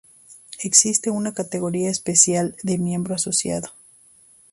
Existe una categoría especial de "miembro asociado".